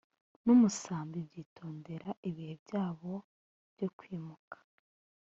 n umusambi byitondera ibihe byabo byo kwimuka